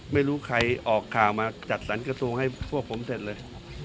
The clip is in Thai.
ไม่รู้ใครออกข่าวมาจัดสรรกระทรวงให้พวกผมเสร็จเลย